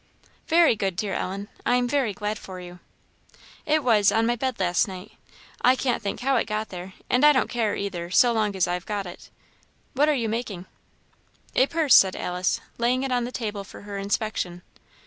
"Very good, dear Ellen. I am very glad for you." "It was, on my bed last night. I can't think how it got there; and I don't care, either, so long as I've got it. What are you making?" "A purse," said Alice, laying it on the table for her inspection.